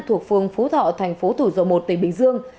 thuộc phường phú thọ thành phố thủ dộ một tỉnh bình dương